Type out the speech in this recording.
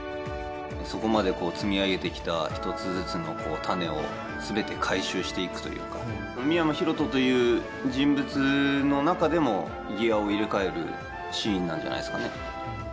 そこまで積み上げてきた一つずつの種を全て回収していくというか深山大翔という人物の中でもギアを入れ替えるシーンなんじゃないですかね